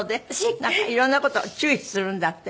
色んな事注意するんだって？